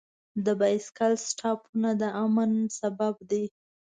د بایسکل سټاپونه د امن سبب دی.